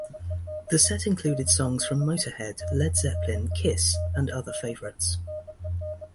The set included songs from Motorhead, Led Zeppelin, Kiss and other favorites.